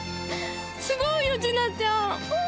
すごいよ智奈ちゃん！